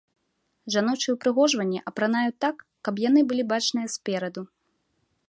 Жаночыя ўпрыгожванні апранаюць так, каб яны былі бачныя спераду.